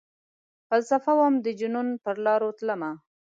فلسفه وم ،دجنون پرلاروتلمه